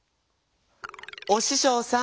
おししょうさん